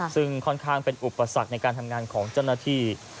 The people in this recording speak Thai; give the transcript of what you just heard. ซึ่งค่อนข้างเป็นอุปสรรคในการทำงานของเจ้าหน้าที่